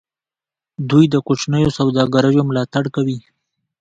دوی د کوچنیو سوداګریو ملاتړ کوي.